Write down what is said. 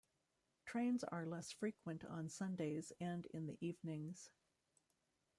Trains are less frequent on Sundays and in the evenings.